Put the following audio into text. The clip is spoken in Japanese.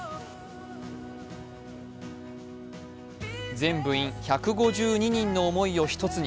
全部員１５２人の思いを一つに。